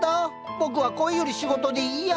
僕は恋より仕事でいいや。